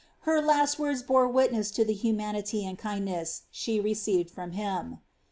Her last words bore witness to the humanity and kindness she received from him.'